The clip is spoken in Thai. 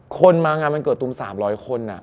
คนมางานวันเกิดตุม๓๐๐คน